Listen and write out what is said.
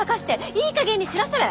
いいかげんにしなされ！